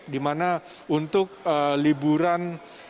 di mana untuk liburan